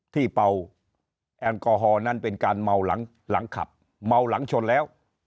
เป่าแอลกอฮอลนั้นเป็นการเมาหลังขับเมาหลังชนแล้ว